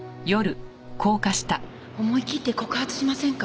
思い切って告発しませんか？